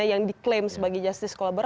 yang diklaim sebagai justice kolaborator